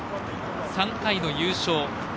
３回の優勝。